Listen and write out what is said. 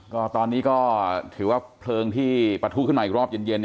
ก็ตอนนี้ก็ถือว่าเพลิงที่ปะทุขึ้นมาอีกรอบเย็น